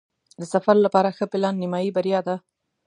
د سفر لپاره ښه پلان نیمایي بریا ده.